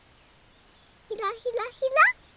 ひらひらひら。